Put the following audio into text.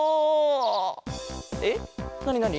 えっなになに？